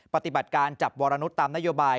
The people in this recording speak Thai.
ปฏิบัติการจับวรนุษย์ตามนโยบาย